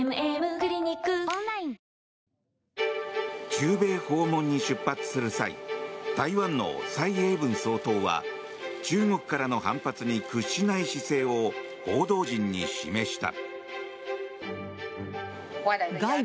中米訪問に出発する際台湾の蔡英文総統は中国からの反発に屈しない姿勢を報道陣に示した。